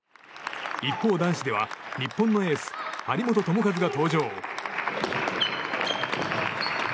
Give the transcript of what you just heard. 一方、男子では日本のエース、張本智和が登場。